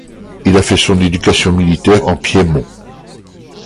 Il a fait son éducation militaire en Piémont.